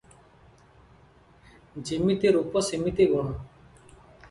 ଯିମିତି ରୂପ ସିମିତି ଗୁଣ ।